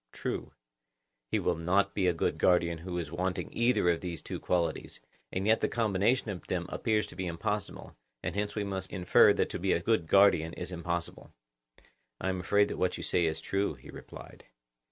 True. He will not be a good guardian who is wanting in either of these two qualities; and yet the combination of them appears to be impossible; and hence we must infer that to be a good guardian is impossible. I am afraid that what you say is true, he replied.